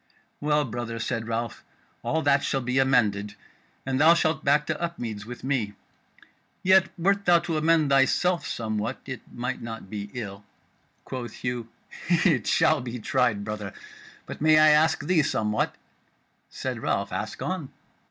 "Well, brother," said Ralph, "all that shall be amended, and thou shalt back to Upmeads with me. Yet wert thou to amend thyself somewhat, it might not be ill." Quoth Hugh: "It shall be tried, brother. But may I ask thee somewhat?" Said Ralph: "Ask on."